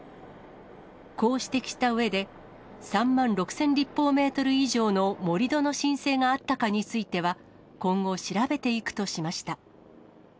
こう指摘したうえで、３万６０００立方メートル以上の盛り土の申請があったかについては、今後調べていくとしました。